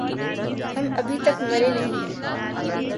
ہم أبھی تک مریں نہیں ہے۔